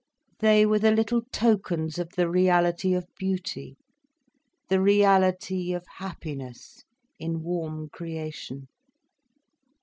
They were the little tokens of the reality of beauty, the reality of happiness in warm creation.